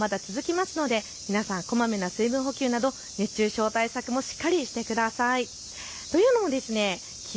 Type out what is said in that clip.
そして暑さもまだ続きますので皆さん、こまめな水分補給など熱中症対策もしっかりしてください。